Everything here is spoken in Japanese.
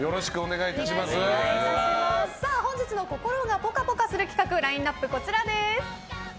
本日の心がぽかぽかする企画ラインアップはこちらです。